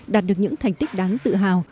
đạt được những thành tích đáng tự hào